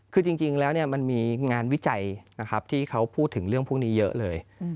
คือจริงแล้วมันมีงานวิจัยนะครับที่เขาพูดถึงเรื่องพวกนี้เยอะเลย